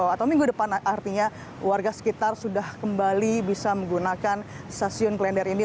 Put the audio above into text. atau minggu depan artinya warga sekitar sudah kembali bisa menggunakan stasiun klender ini